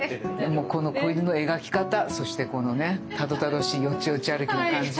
もうこの子犬の描き方そしてこのねたどたどしいよちよち歩きの感じ。